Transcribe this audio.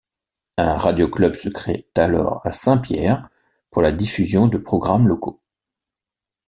Un radio club se crée alors à Saint-Pierre pour la diffusion de programmes locaux.